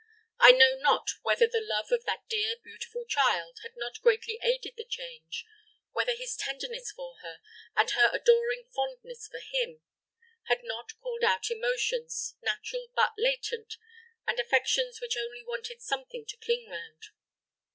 I know not whether the love of that dear, beautiful child had not greatly aided the change whether his tenderness for her, and her adoring fondness for him, had not called out emotions, natural but latent, and affections which only wanted something to cling round.